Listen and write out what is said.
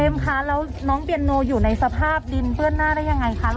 คะแล้วน้องเบียนโนอยู่ในสภาพดินเปื้อนหน้าได้ยังไงคะ